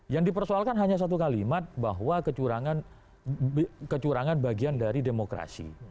yang dipersoalkan hanya satu kalimat bahwa kecurangan bagian dari demokrasi